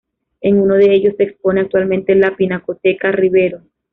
En uno de ellos, se expone actualmente la Pinacoteca Rivero.